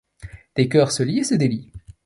Des cœurs se lient et se délient.